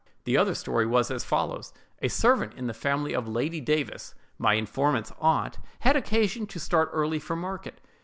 The other story was as follows: A servant in the family of Lady Davis, my informant's aunt, had occasion to start early for market.